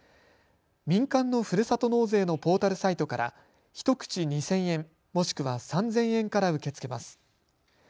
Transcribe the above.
民間のふるさと納税のポータルサイトから１口２０００円、もしくは３０００円から受け付けます。